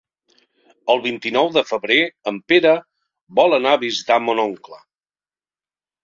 El vint-i-nou de febrer en Pere vol anar a visitar mon oncle.